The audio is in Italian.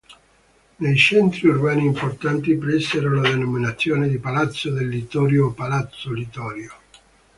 Nei centri urbani importanti presero la denominazione di "palazzo del Littorio" o "palazzo Littorio".